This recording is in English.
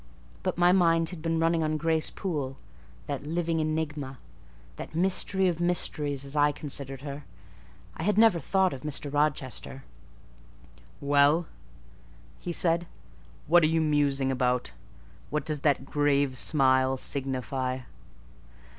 But my mind had been running on Grace Poole—that living enigma, that mystery of mysteries, as I considered her. I had never thought of Mr. Rochester. "Well," said he, "what are you musing about? What does that grave smile signify?"